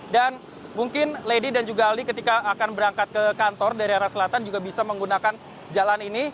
dan mungkin lady dan juga aldi ketika akan berangkat ke kantor dari arah selatan juga bisa menggunakan jalan ini